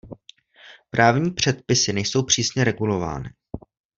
Právní předpisy nejsou přísně regulovány.